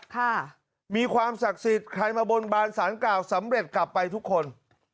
ค่ะมีความศักดิ์สิทธิ์ใครมาบนบานสารกล่าวสำเร็จกลับไปทุกคน